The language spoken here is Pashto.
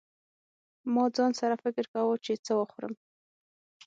ما ځان سره فکر کاوه چې څه وخورم.